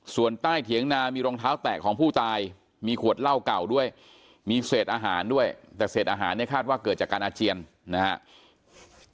ส่วนใต้เถียงนามีรองเท้าแตกของผู้ตายมีขวดเหล้าเก่าด้วยมีเศษอาหารด้วยแต่เศษอาหารเนี่ยคาดว่าเกิดจากการอาเจียนนะครับ